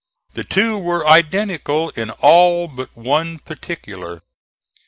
The two were identical in all but one particular.